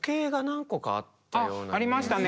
ありましたね